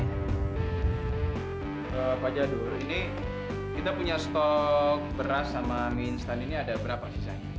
eh pak jadul ini kita punya stok beras sama minstam ini ada berapa sih sayang